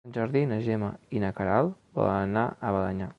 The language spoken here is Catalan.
Per Sant Jordi na Gemma i na Queralt volen anar a Balenyà.